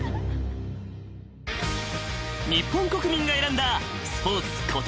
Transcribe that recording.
［日本国民が選んだスポーツことしの顔